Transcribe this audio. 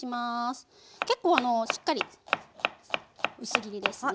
結構あのしっかり薄切りですね。